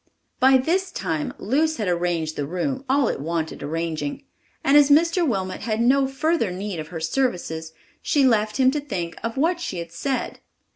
By this time Luce had arranged the room all it wanted arranging, and as Mr. Wilmot had no further need of her services, she left him to think of what she had said.